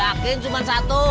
yakin cuma satu